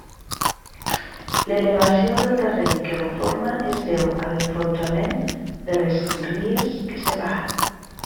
L'elevació del terreny que la forma es deu a l'enfonsament de les ries que separa.